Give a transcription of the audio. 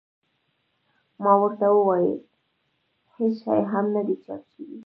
ما ورته وویل هېڅ شی هم نه دي چاپ شوي.